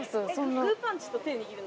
グーパンチと手握るの。